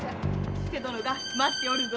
千勢殿が待っておるぞ。